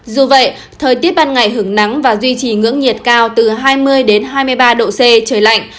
dù vậy thời tiết ban ngày hưởng nắng và duy trì ngưỡng nhiệt cao từ hai mươi hai mươi ba độ c trời lạnh